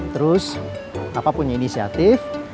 terus papa punya inisiatif